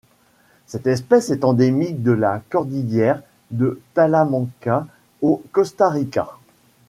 Cette espèce est endémique de la cordillère de Talamanca au Costa Rica.